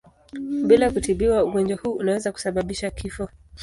Bila kutibiwa ugonjwa huu unaweza kusababisha kifo.